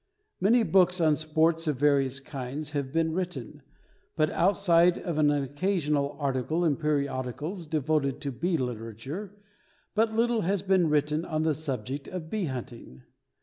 Many books on sports of various kinds have been written, but outside of an occasional article in periodicals devoted to bee literature, but little has been written on the subject of bee hunting.